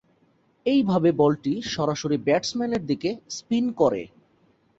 এইভাবে বলটি সরাসরি ব্যাটসম্যানের দিকে স্পিন করে।